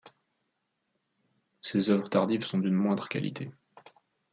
Ses œuvres tardives sont d'une moindre qualité.